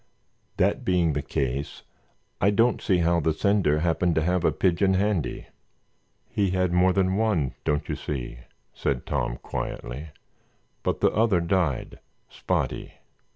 That being the case, I don't see how the sender happened to have a pigeon handy." "He had more than one, don't you see?" said Tom, quietly, "but the other died—Spotty.